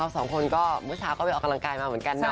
สองคนก็เมื่อเช้าก็ไปออกกำลังกายมาเหมือนกันนะ